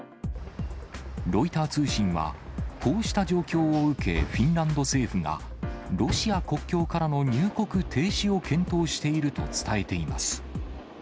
ロイター通信は、こうした状況を受け、フィンランド政府がロシア国境からの入国停止を検討していると伝えています。